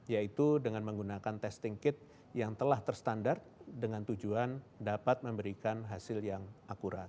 yaitu dengan menggunakan testing kit yang telah terstandar dengan tujuan dapat memberikan hasil yang akurat